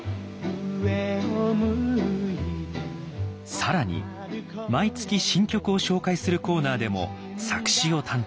更に毎月新曲を紹介するコーナーでも作詞を担当。